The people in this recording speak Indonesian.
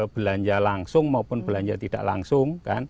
belanja langsung maupun belanja tidak langsung